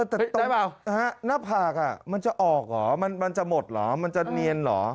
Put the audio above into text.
แต่ตรงน้ำผากอ่ะมันจะออกหรอมันจะหมดหรอมันจะเนียนหรอ